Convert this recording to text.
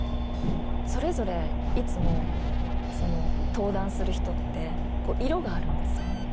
それぞれいつも登壇する人って色があるんですよね。